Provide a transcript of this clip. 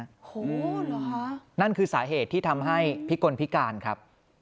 โอ้โหเหรอฮะนั่นคือสาเหตุที่ทำให้พิกลพิการครับ